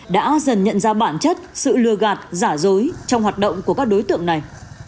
đã dần nhận ra bản chất sự lừa gạt giả dối trong hoạt động của các đối tượng này